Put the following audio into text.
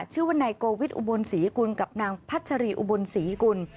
ชื่อว่านายโกวิทอุบลศรีกุลกับนางพัชรีอุบลศรีกุล